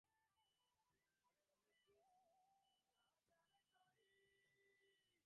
In latter-day Hong Kong, a policeman goes missing.